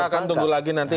kita akan tunggu lagi nanti